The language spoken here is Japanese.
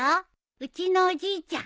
うちのおじいちゃん。